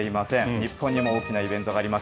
日本にも大きなイベントがあります。